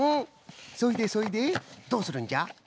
そいでそいでどうするんじゃ？